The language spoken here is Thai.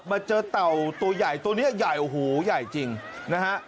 มาเจอเต่าตัวใหญ่ตัวนี้ใหญ่โอ้โหใหญ่จริงนะฮะ